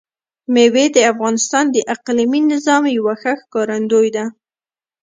مېوې د افغانستان د اقلیمي نظام یوه ښه ښکارندوی ده.